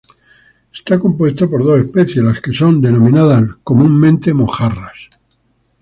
Está compuesto por dos especies, las que son denominadas comúnmente mojarras.